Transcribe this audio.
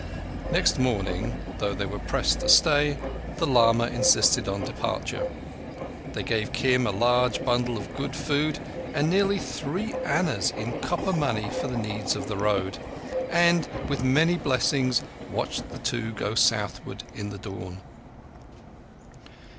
Next morning, though they were pressed to stay, the lama insisted on departure. They gave Kim a large bundle of good food and nearly three annas in copper money for the needs of the road, and with many blessings watched the two go southward in the dawn.